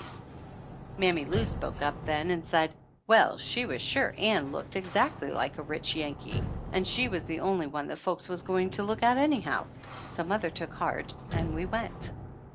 258 THE ANNALS OF ANN Mammy Lou spoke up then and said, well, she was sure Ann looked exactly like a rich Yankee, and she was the only one that folks was going to look at anyhow! So mother took heart and we went.